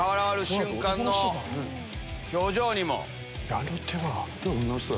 あの手が。